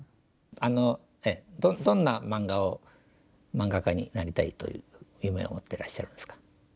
あのどんな漫画を漫画家になりたいという夢を持ってらっしゃるんですか？